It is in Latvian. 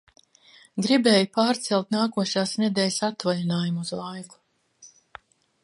Gribēju pārcelt nākošās nedēļas atvaļinājumu uz laiku.